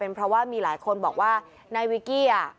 เพราะว่ามีหลายคนบอกว่านายวิกกี้อ่ะ